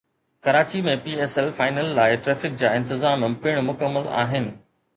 Karachi ۾ P S L final لاءِ traffic جا انتظام پڻ مڪمل آهن